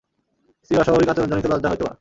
স্ত্রীর অস্বাভাবিক আচরণজনিত লজ্জা হয়তো-বা।